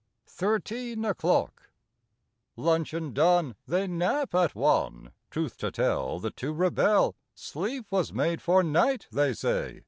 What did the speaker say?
THIRTEEN O'CLOCK L uncheon done, ^ They nap at one; Truth to tell, The two rebel. Sleep was made for night, they say.